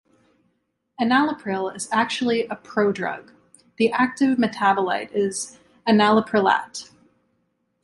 Enalapril is actually a prodrug; the active metabolite is enalaprilat.